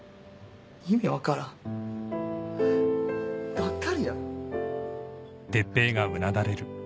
がっかりや。